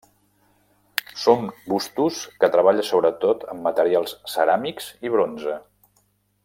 Són bustos que treballa sobretot amb materials ceràmics i bronze.